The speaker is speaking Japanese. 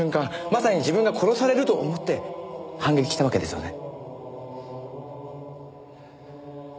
まさに自分が殺されると思って反撃したわけですよね？